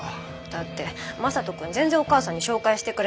だって正門君全然お母さんに紹介してくれないじゃん。